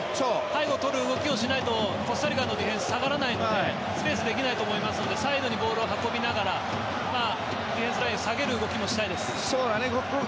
背後を取る動きをしないとコスタリカのディフェンス下がらないのでスペースができないと思うのでサイドにボールを運びながらディフェンスライン下げる動きもしたいです。